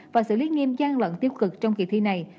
và xử lý nghiêm gian lận tiêu cực trong kỳ thi này